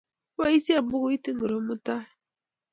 Ipoisye pukuit ingoro mutai?